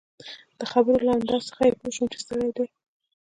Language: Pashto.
د خبرو له انداز څخه يې پوه شوم چي ستړی دی.